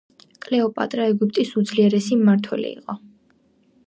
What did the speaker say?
კლეო პატრა ეგვიპტის უძლიერესი მმართველი იყო